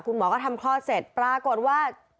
หมอก็ทำคลอดเสร็จปรากฏว่า